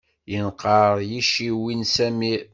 Yenqer yiciwi n Samir.